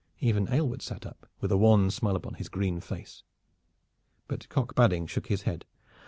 Even Aylward sat up, with a wan smile upon his green face. But Cock Badding shook his head.